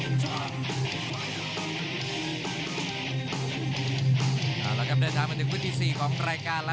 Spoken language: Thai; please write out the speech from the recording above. นายอภิชาสโพธิจันครับจากกำเผอร์ศรีวิลัยจังหวัดบึงกาลวัยยนต์ครับ